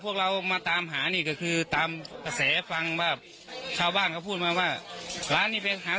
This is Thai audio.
ครั้งนี้แม่เอาไปโดยบอกว่าถูกเมียด่า